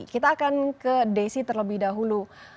kita akan ke desi terlebih dahulu